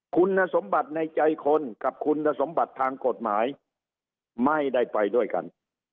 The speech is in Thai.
คุณสมบัติในใจคนกับคุณสมบัติทางกฎหมายไม่ได้ไปด้วยกัน